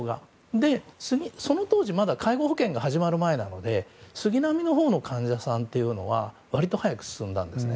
で、その当時まだ介護保険が始まる前なので杉並のほうの患者さんというのは割と早く進んだんですね。